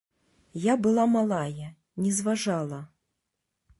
Я была малая, не зважала.